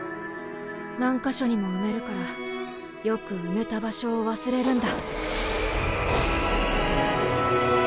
何か所にも埋めるからよく埋めた場所を忘れるんだ。